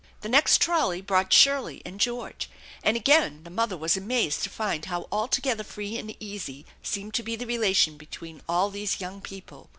The next trolley brought Shirley and George, and again the mother was amazed to find how altogether free and easy seemed to be the relation between all these young people.